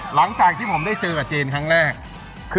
หลังจากที่ผมได้เจอกับเจนครั้งแรก